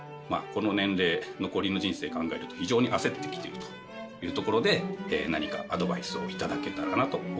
この年齢残りの人生考えると非常に焦ってきているというところで何かアドバイスを頂けたらなと思います。